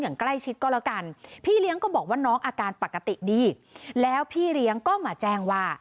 อย่างใกล้ชิดก็แล้วกันพี่เลี้ยงก็บอกว่าน้องอาการปกติดีแล้วพี่เลี้ยงก็มาแจ้งว่า